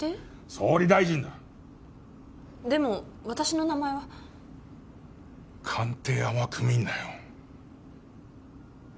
総理大臣だでも私の名前は官邸甘く見んなよ